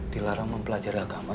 dilarang mempelajari agama ya